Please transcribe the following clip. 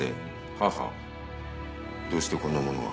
母」どうしてこんな物が？